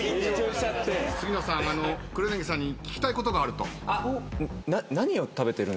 杉野さん黒柳さんに聞きたいことがあると。